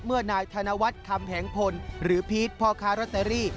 เมื่อนายธนวัตรคำแหงพลหรือพีทพครตรรี่